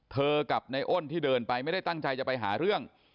กับในอ้นที่เดินไปไม่ได้ตั้งใจจะไปหาเรื่อง